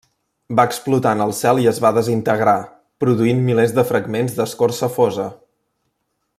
Va explotar en el cel i es va desintegrar, produint milers de fragments d'escorça fosa.